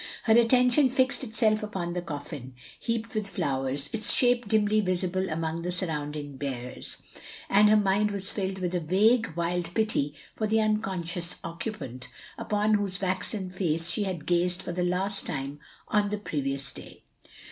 Her attention fixed itself upon the coffin, heaped with flowers, its shape dimly visible among the surrounding bearers ; and her mind was filled with a vague wild pity for the unconscious oc cupant, upon whose waxen face she had gazed for the last time on the previous day.